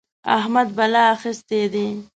احمد بلا اخيستی دی.